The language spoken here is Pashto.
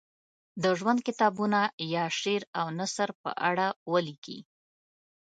د ژوند کتابونه یا شعر او نثر په اړه ولیکي.